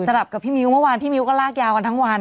ลับกับพี่มิ้วเมื่อวานพี่มิ้วก็ลากยาวกันทั้งวัน